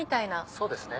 そうですね。